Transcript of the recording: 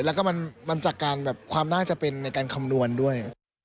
แล้วก็มันจากการแบบความน่าจะเป็นในการคำนวณด้วย